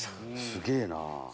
すげぇな。